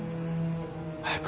早く。